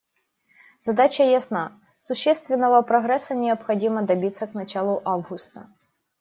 Задача ясна: существенного прогресса необходимо добиться к началу августа.